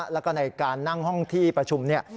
แล้วก็ในการนั่งห้องที่ประชุมเนี่ย